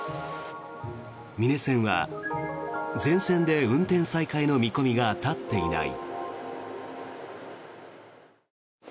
美祢線は、全線で運転再開の見込みが立っていない。